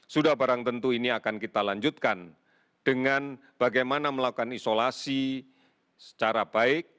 sudah barang tentu ini akan kita lanjutkan dengan bagaimana melakukan isolasi secara baik